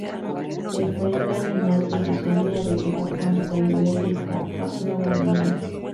Se encuentran en Asia y Oceanía: desde Japón hasta Indonesia y Papúa Nueva Guinea.